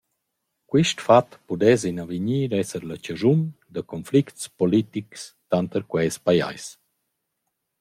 Quist fat pudess in avegnir esser la chaschun da conflicts poltics tanter quels pajais.